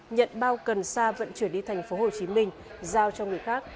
nhận bao cần sa vận chuyển đi thành phố hồ chí minh giao cho người khác